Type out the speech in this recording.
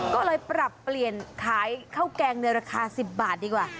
ก็เลยปรับเปลี่ยนขายข้าวแกงในราคา๑๐บาทดีกว่า